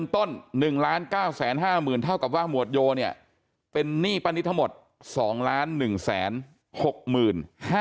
ต้น๑๙๕๐๐๐เท่ากับว่าหมวดโยเนี่ยเป็นหนี้ป้านิตทั้งหมด๒๑๖๕๐๐บาท